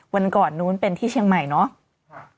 วันก่อนนู้นเป็นที่เชียงใหม่เนาะ